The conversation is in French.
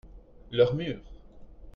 leur mur.